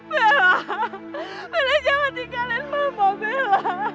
bella bella jangan tinggalin mama bella